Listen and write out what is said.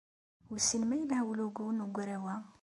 Wissen ma yelha ulugu n ugraw-a?